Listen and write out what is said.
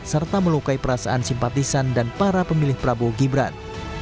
serta melukai perasaan simpatisan dan para pemilih prabowo gibran